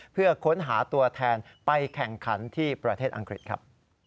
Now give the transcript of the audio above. เพื่อค้นหาตัวแทนไปแข่งขันที่ประเทศอังกฤษครับ